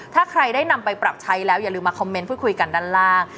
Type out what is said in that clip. ถ้าใครได้นำไปปรับใช้แล้วอย่าลืมมาคอมเมนต์พูดคุยกันด้านล่าง